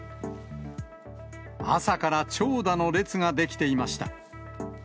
朝から長蛇の列が出来ていました。